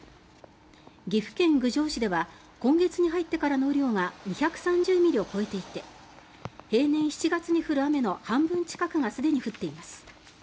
岐阜県郡上市では今月に入ってからの雨量が２３０ミリを超えていて平年７月に降る雨の半分近くがすでに降っています。